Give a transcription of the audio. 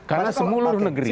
karena seluruh negeri